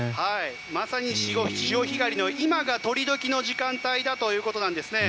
まさに潮干狩りの今が取り時の時間帯だということです。